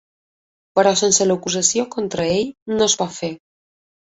Però sense l’acusació contra ell, no es pot fer.